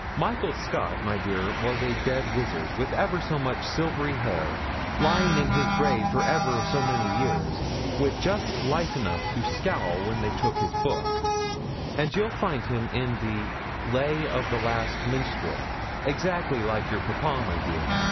Michael Scott, my dear, was a dead wizard, with ever so much silvery hair, lying in his grave for ever so many years, with just life enough to scowl when they took his book; and you'll find him in the "Lay of the Last Minstrel," exactly like your papa, my dear.